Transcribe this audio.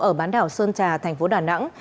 ở bán đảo sơn trà thành phố đà nẵng